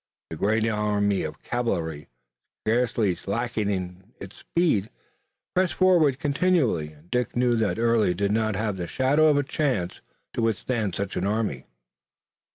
The great army of cavalry, scarcely slacking speed, pressed forward continually, and Dick knew that Early did not have the shadow of a chance to withstand such an army.